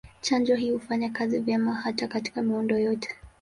Chanjo hii hufanya kazi vyema hata katika miundo yote.